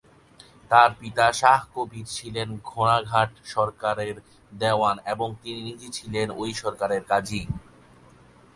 তার পিতা শাহ কবীর ছিলেন ঘোড়াঘাট সরকারের দেওয়ান এবং তিনি নিজে ছিলেন ওই সরকারের কাজী।